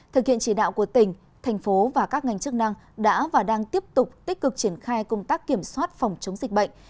thực hiện chỉ đạo của tỉnh thành phố và các ngành chức năng đã và đang tiếp tục tích cực triển khai công tác kiểm soát phòng chống dịch bệnh